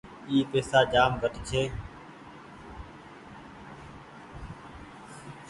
اي پئيسا جآم گھٽ ڇي۔